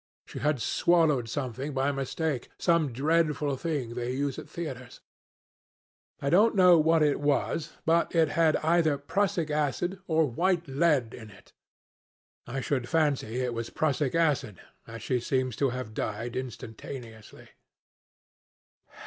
She had swallowed something by mistake, some dreadful thing they use at theatres. I don't know what it was, but it had either prussic acid or white lead in it. I should fancy it was prussic acid, as she seems to have died instantaneously."